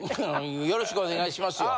よろしくお願いしますよ。